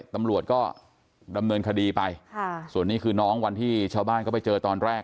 ตำรวจก็ดำเนินคดีไปส่วนนี้คือน้องวันที่ชาวบ้านเขาไปเจอตอนแรก